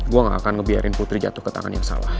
gue gak akan ngebiarin putri jatuh ke tangan yang salah